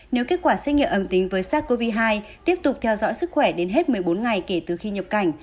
nếu kết quả xét nghiệm âm tính với sars cov hai tiếp tục theo dõi sức khỏe đến hết một mươi bốn ngày kể từ khi nhập cảnh